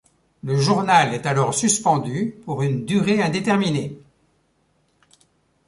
Le journal est alors suspendu pour une durée indéterminée.